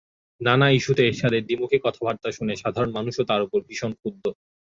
নানা ইস্যুতে এরশাদের দ্বিমুখী কথাবার্তা শুনে সাধারণ মানুষও তাঁর ওপর ভীষণ ক্ষুব্ধ।